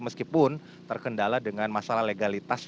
meskipun terkendala dengan masalah legalitas